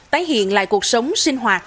tái hiện lại cuộc sống sinh hoạt